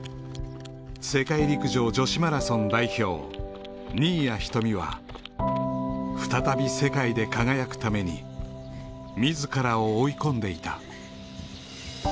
世界陸上女子マラソン代表新谷仁美は再び世界で輝くために自らを追い込んでいた